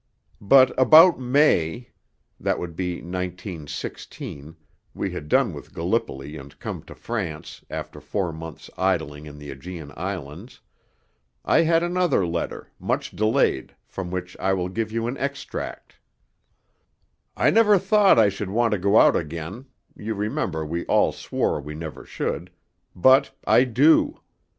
But about May that would be 1916; we had done with Gallipoli and come to France, after four months' idling in the Aegean Islands I had another letter, much delayed, from which I will give you an extract: _'I never thought I should want to go out again (you remember we all swore we never should) but I do.